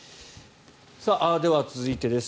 では続いてです。